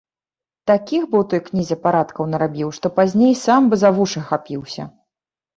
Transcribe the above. Такіх бы ў той кнізе парадкаў нарабіў, што пазней сам бы за вушы хапіўся.